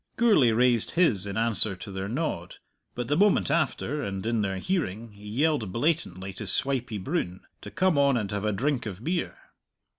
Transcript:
Gourlay raised his in answer to their nod. But the moment after, and in their hearing, he yelled blatantly to Swipey Broon to come on and have a drink of beer.